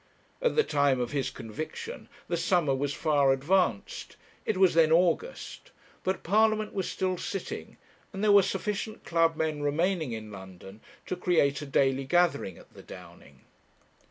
At the time of his conviction, the summer was far advanced; it was then August; but Parliament was still sitting, and there were sufficient club men remaining in London to create a daily gathering at the Downing.